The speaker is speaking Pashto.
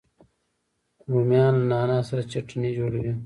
رومیان له نعنا سره چټني جوړوي